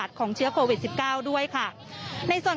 หน้าหลานกราตูอนะครับ